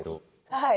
はい。